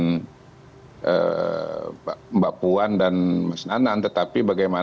tetapi bagaimana kemudian ada dua kader pdi perjuangan yang maju sebagai calon